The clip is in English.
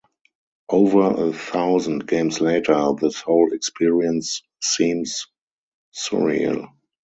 Over a thousand games later, this whole experience seems surreal.